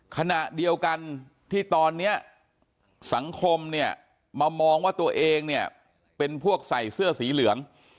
ขณะเดียวกันที่ตอนนี้สังคมเนี่ยมามองว่าตัวเองเนี่ยเป็นพวกใส่เสื้อสีเหลือง